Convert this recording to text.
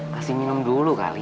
kasih minum dulu kali